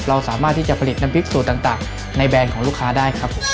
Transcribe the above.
เราสามารถที่จะผลิตน้ำพริกสูตรต่างในแบรนด์ของลูกค้าได้ครับผม